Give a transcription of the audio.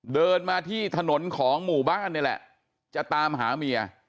เดินมาที่ถนนของหมู่บ้านนี่แหละจะตามหาเมีย